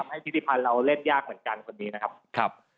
ก็ทำให้ทิศิพรเราเล่นยากเหมือนกันคนนี้นะครับ